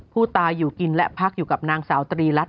ผู้ตายอยู่กินและพักอยู่กับนางสาวตรีรัฐ